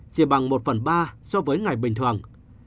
chỉ bằng một phần ba so với ngày bình thường